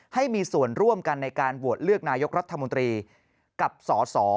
ให้มีส่วนร่วมกันในการโหวตเลือกนายกรัฐมนตรีกับสส